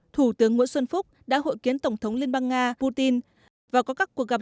thủ tướng nguyễn xuân phúc đã hội kiến tổng thống liên bang nga putin và có các cuộc gặp